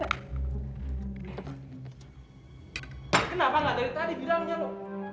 kenapa ga dari tadi diramunya lo